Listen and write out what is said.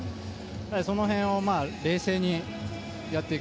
その辺を冷静にやっていく。